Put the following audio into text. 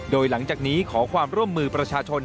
โดยหลังจากนี้ขอความร่วมมือประชาชน